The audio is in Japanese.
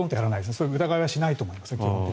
そういう疑いは基本的にしないと思います。